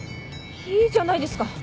いいじゃないですか。